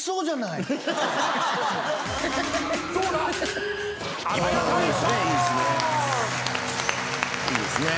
いいですね。